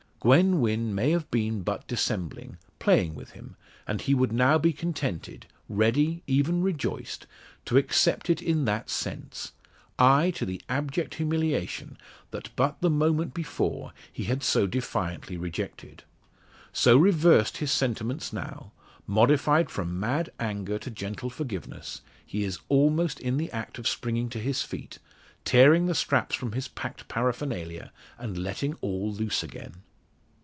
Gwen Wynn may have been but dissembling playing with him and he would now be contented, ready even rejoiced to accept it in that sense; ay, to the abject humiliation that but the moment before he had so defiantly rejected. So reversed his sentiments now modified from mad anger to gentle forgiveness he is almost in the act of springing to his feet, tearing the straps from his packed paraphernalia, and letting all loose again!